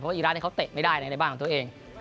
เพราะว่าอิราตเขาเตะไม่ได้ในบ้านของตัวเอง